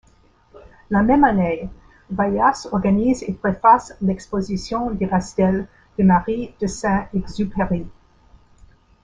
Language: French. La même année, Vallas organise et préface l’exposition des pastels de Marie de saint-Exupéry.